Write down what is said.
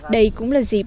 đây cũng là dịp